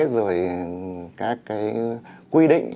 rồi các cái quy định